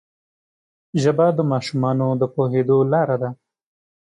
ژبه د ماشومانو د پوهېدو لاره ده